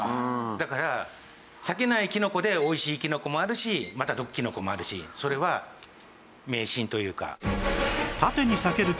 だから裂けないキノコでおいしいキノコもあるしまた毒キノコもあるしそれは迷信というか。